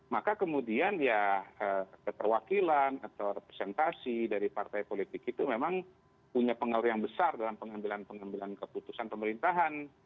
maka kemudian ya keterwakilan atau representasi dari partai politik itu memang punya pengaruh yang besar dalam pengambilan pengambilan keputusan pemerintahan